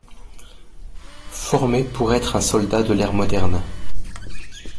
Formé pour être un soldat de l'ère moderne.